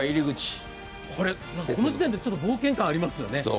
この時点で冒険感ありますよね。